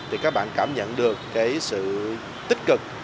thì các bạn cảm nhận được sự tích cực